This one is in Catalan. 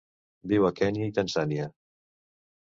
Viu a Kenya i Tanzània.